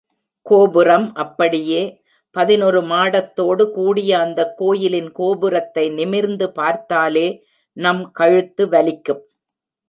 கோபுரமும் அப்படியே, பதினோரு மாடத்தோடு கூடிய அந்தக் கோயிலின் கோபுரத்தை நிமிர்ந்து பார்த்தாலே நம் கழுத்து வலிக்கும்.